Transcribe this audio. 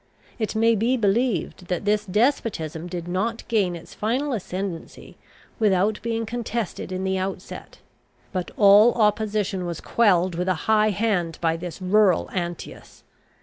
It may be believed that this despotism did not gain its final ascendancy without being contested in the outset. But all opposition was quelled with a high hand by this rural Antaeus.